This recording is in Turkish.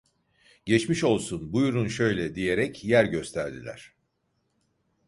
"Geçmiş olsun, buyurun şöyle…" diyerek yer gösterdiler.